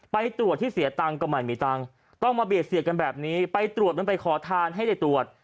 ไปตรวจที่เสียตังค์ก็ไม่มีตังค์ต้องมาเบียดเสียกันแบบนี้ไปตรวจมันไปขอทานให้ได้ตรวจ